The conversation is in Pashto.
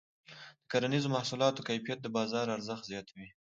د کرنیزو محصولاتو کیفیت د بازار ارزښت زیاتوي.